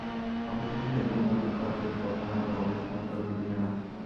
অবশেষে সেই পূর্ণত্ব-প্রাপ্তির পর তাহার আর অবস্থান্তর ঘটিবে না।